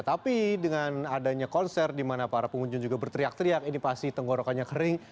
tapi dengan adanya konser di mana para pengunjung juga berteriak teriak ini pasti tenggorokannya kering